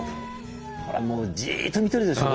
ほらもうじっと見てるでしょ